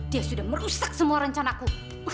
dia sudah merusak semua rencanaku